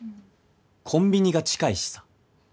コンビニが近いしさ。